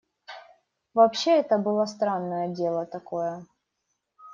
Вообще это было странное дело такое.